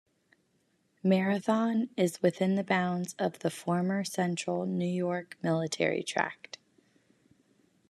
Marathon is within the bounds of the former Central New York Military Tract.